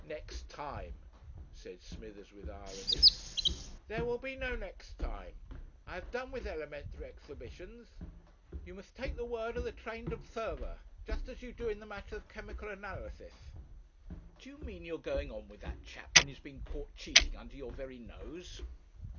"Next time " said Smithers with irony. "There will be no next time. I have done with elementary exhibitions. You must take the word of the trained observer just as you do in the matter of chemical analysis." "Do you mean you are going on with that chap when he's been caught cheating under your very nose?"